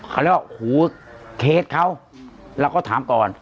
เขาเรียกว่าหูเคสเขาเราก็ถามก่อน